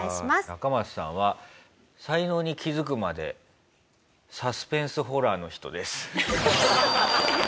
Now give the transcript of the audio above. アカマツさんは才能に気づくまでサスペンスホラーの人です。